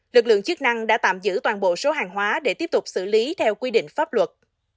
lực lượng chức năng đã tạm giữ toàn bộ số hàng hóa để tiếp tục xử lý theo quy định pháp luật